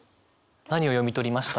何を読み取りました？